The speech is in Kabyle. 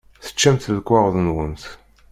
Teččamt lekwaɣeḍ-nwent